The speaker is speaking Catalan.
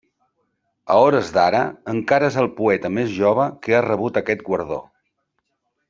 A hores d'ara encara és el poeta més jove que ha rebut aquest guardó.